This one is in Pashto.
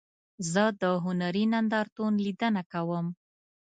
زه د هنري نندارتون لیدنه کوم.